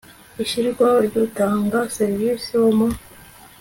ishyirwaho ry utanga serivisi wo mu